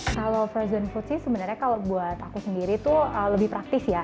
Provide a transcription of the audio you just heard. kalau frozen food sih sebenarnya kalau buat aku sendiri tuh lebih praktis ya